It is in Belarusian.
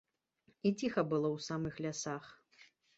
І ціха было ў самых лясах.